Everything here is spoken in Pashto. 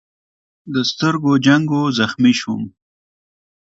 د سترګو جنګ و، زخمي شوم.